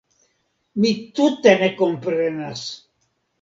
Mi tute ne komprenas!